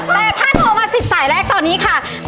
แต่ถ้าโทรมา๑๐สายแรกตอนนี้ค่ะ